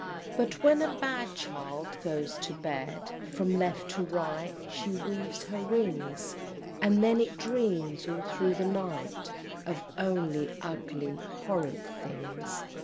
But when a bad child goes to bed, From left to right she weaves her rings, And then it dreams all through the night Of only ugly horrid things!